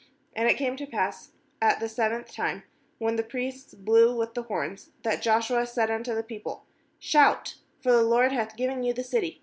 16And it came to pass at the seventh time, when the priests blew with the horns, that Joshua said unto the peo ple: 'Shout; for the LORD hath given you the city.